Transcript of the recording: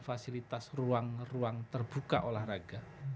fasilitas ruang ruang terbuka olahraga